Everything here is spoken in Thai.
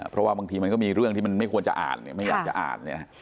เพราะว่าบางทีมันก็มีเรื่องที่มันไม่ควรจะอ่านเนี่ยไม่อยากจะอ่านเนี่ย